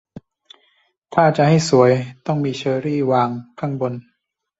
ถ้าจะให้สวยต้องมีเชอร์รี่วางข้างบน